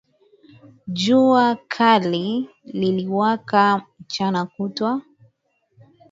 Jua kali liliwaka mchana kutwa.